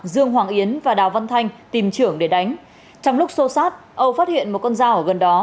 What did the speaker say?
dương hoàng yến và đào văn thanh tìm trưởng để đánh trong lúc xô xát âu phát hiện một con dao ở gần đó